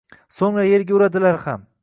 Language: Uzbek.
So‘ngra yerga uradilar ham.